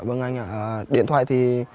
vâng anh ạ điện thoại thì